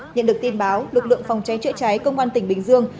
nhận được tin báo lực lượng phòng cháy chữa cháy công an tỉnh bình dương